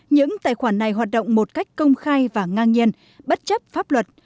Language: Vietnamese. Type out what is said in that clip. những tài khoản này hoạt động một cách công khai và ngang nhiên bất chấp pháp luật